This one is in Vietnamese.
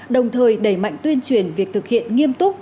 đồng thời đẩy mạnh tuyên truyền việc thực hiện nghiêm túc